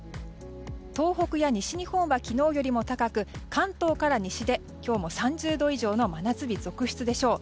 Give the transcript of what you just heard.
東北や西日本は昨日よりも高く関東から西で今日も３０度以上の真夏日続出でしょう。